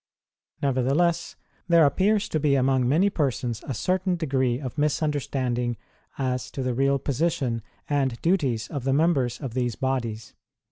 Never theless, there appears to be among many persons a certain degree of misunderstanding as to the real position and duties of the members of these bodies.